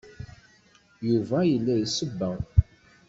Yuba yella isebbeɣ.